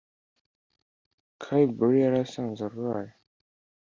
kai borie yari asanzwe arwaye